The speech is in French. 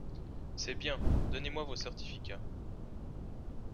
C’est bien, donnez-moi vos certificats…